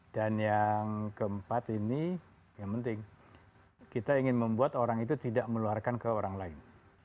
dan yang keempat ini yang penting kita ingin membuat orang itu tidak meluarkan ke orang lain